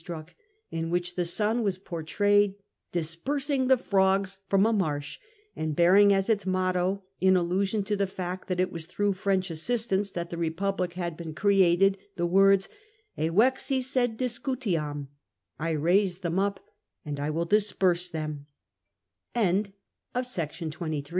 struck, in which the sun was portrayed dispersing the fogs from a marsh, and bearing a k its motto, in allusion to the fact that it was through French assistance that the Republic had been created, the words, ' Evexi, sed dis cutiam*— * 1 raised them up, and 1 will disp